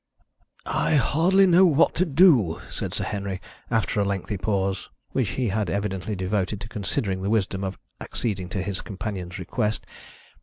"I hardly know what to do," said Sir Henry, after a lengthy pause, which he had evidently devoted to considering the wisdom of acceding to his companion's request.